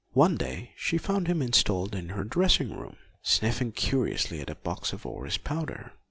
One day she found him installed in her dressing room, sniffing curiously at a box of oris powder.